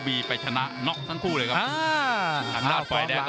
พี่น้องอ่ะพี่น้องอ่ะ